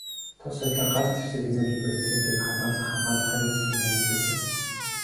Тус хуулиар галт зэвсэг эзэмшиж буй этгээдийн хадгалах, хамгаалах хариуцлагыг нэмэгдүүлсэн аж.